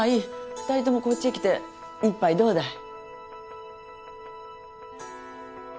２人ともこっちへ来て一杯どうだい？